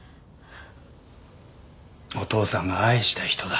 お父さんが愛した人だ。